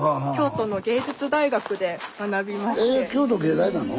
え京都芸大なの？